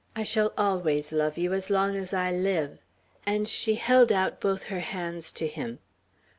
I shall always love you as long as I live;" and she held out both her hands to him.